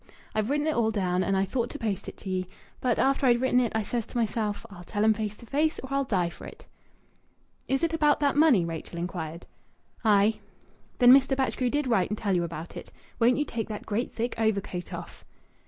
I've written it all down and I thought to post it to ye. But after I'd written it I says to myself, 'I'll tell 'em face to face or I'll die for it.'" "Is it about that money?" Rachel inquired. "Aye!" "Then Mr. Batchgrew did write and tell you about it. Won't you take that great, thick overcoat off?"